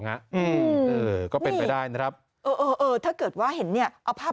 ไงนะก็เป็นไปได้นะครับเออเออถ้าเกิดว่าเห็นเนี่ยเอาภาพ